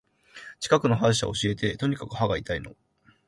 近くの歯医者教えて。とにかく歯が痛いの。